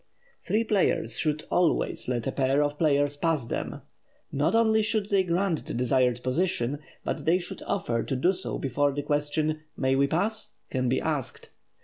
Three players should always let a pair of players pass them. Not only should they grant the desired position, but they should offer to do so before the question, "May we pass?" can be asked.